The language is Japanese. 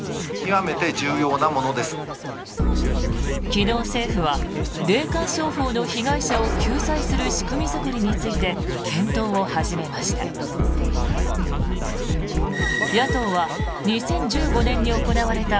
昨日、政府は霊感商法の被害者を救済する仕組み作りについて検討を始めました。